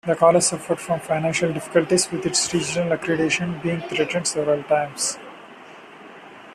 The college suffered from financial difficulties with its regional accreditation being threatened several times.